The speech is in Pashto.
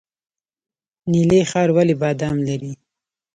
نیلي ښار ولې بادام لري؟